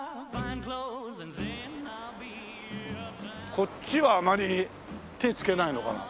こっちはあまり手つけないのかな？